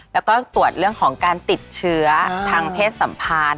แล้วก็ตรวจเรื่องของการติดเชื้อทางเพศสัมพันธ์